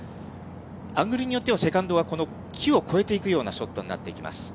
アングルによっては、セカンドはこの木を越えていくようなショットになっていきます。